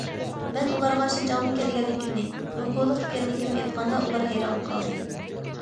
مەن ئۇلارغا شىنجاڭدىن كەلگەنلىكىمنى، جۇڭگولۇق ئىكەنلىكىمنى ئېيتقاندا ئۇلار ھەيران قالدى.